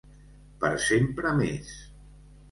Per sempre més.